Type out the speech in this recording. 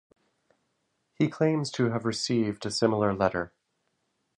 He claims to have received a similar letter.